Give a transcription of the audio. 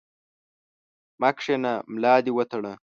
مه کښېنه ، ملا دي وتړه!